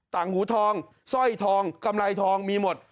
ต่างหูทองสร้อยทองกำไรทองมีหมด